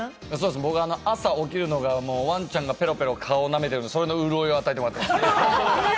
僕は朝起きるのがワンちゃんがペロペロ顔を舐める、その潤いを与えてもらっています。